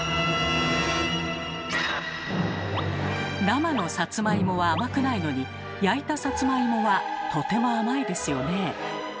生のサツマイモは甘くないのに焼いたサツマイモはとても甘いですよね。